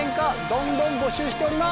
どんどん募集しております。